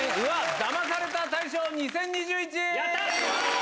ダマされた大賞２０２１。